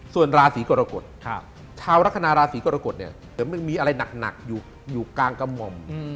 ส่วนลาศรีกรกฎชาวรัฐคณาลาศรีกรกฎเนี่ยแต่ไม่มีอะไรหนักอยู่อยู่กลางกระหม่อ